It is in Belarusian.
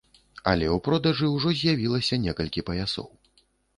Але ў продажы ўжо з'явілася некалькі паясоў.